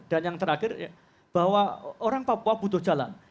dan yang terakhir bahwa orang papua butuh jalan